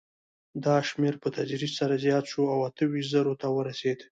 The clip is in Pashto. دا شمېر په تدریج سره زیات شو او اته ویشت زرو ته ورسېد.